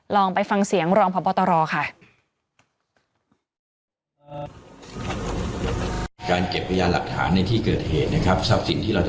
ด้วยการเจ็บระยะหลักฐานในที่เกิดเหตุนะครับจากสิ่งที่เราจะ